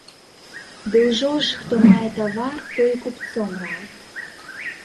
Ды ўжо ж, хто мае тавар, той і купцом рад.